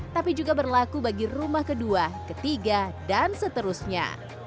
tapi juga berlaku bagi rumah kedua ketiga dan seterusnya